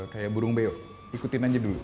kayak burung beo ikutin aja dulu